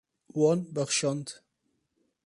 Wan bexşand.